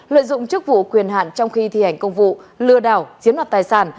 lợi dụng chức vụ quyền hạn trong khi thi hành công vụ lừa đảo chiếm đoạt tài sản